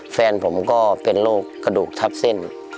แฟนผมก็เป็นโรคกระดูกทับเส้น